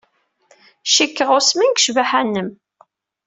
Cikkeɣ usmen seg ccbaḥa-nnem.